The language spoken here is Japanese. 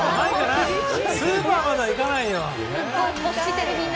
スーパーまではいかないよ。